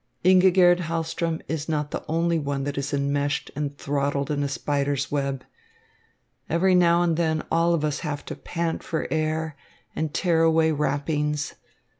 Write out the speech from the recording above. Ingigerd Hahlström is not the only one that is enmeshed and throttled in a spider's web. Every now and then all of us have to pant for air and tear away wrappings.